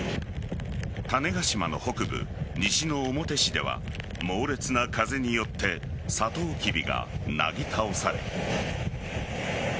種子島の北部西之表市では猛烈な風によってサトウキビがなぎ倒され。